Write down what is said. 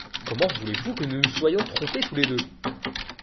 Comment voulez-vous que nous nous soyons trompés tous les deux?